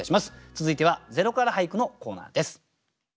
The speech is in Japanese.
続いては「０から俳句」のコーナーです。